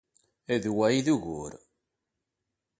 D wa ay d ugur.